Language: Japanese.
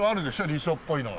理想っぽいのは。